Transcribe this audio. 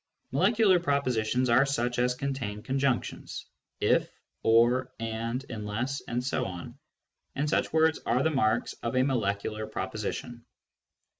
" Molecular " propositions are such as contain conjunc tions — i/y ory andy unlessy etc. — ^and such words are the marks of a molecular proposition.